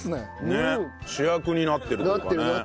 ねっ主役になってるっていうかね。